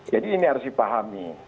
jadi ini harus dipahami